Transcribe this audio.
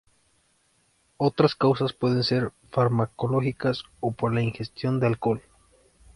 Otras causas pueden ser farmacológicas o por la ingestión de alcohol.